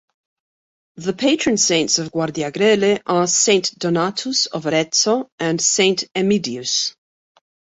The patron saints of Guardiagrele are Saint Donatus of Arezzo and Saint Emidius.